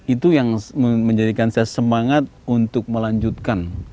itu yang menjadikan saya semangat untuk melanjutkan